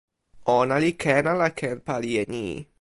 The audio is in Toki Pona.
ona li ken ala ken pali e ni?